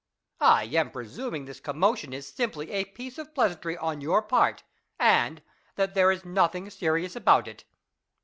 I am presum ing this commotion is simply a piece of pleasantry on your part, and that, there is nothing serious about it.